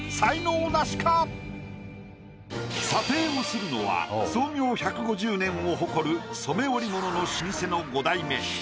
査定をするのは創業１５０年を誇る染織物の老舗の５代目。